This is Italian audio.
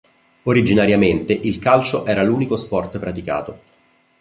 Originariamente, il calcio era l'unico sport praticato.